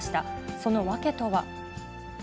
その訳とは。